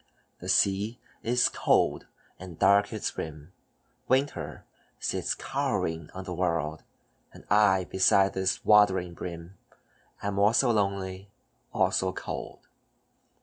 "The sea is cold, and dark its rim, Winter sits cowering on the world, And I, besides this watery brim, Am also lonely, also cold."